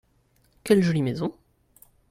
Quelle jolie maison !